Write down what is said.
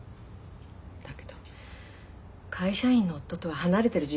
だけど会社員の夫とは離れてる時間が多いの。